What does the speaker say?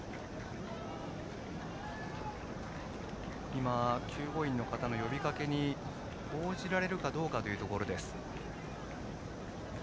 今、救護員の方の呼びかけに応じられるかどうかというところ。